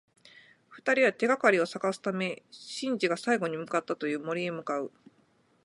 二人は、手がかりを探すためシンジが最後に向かったという森へ向かう。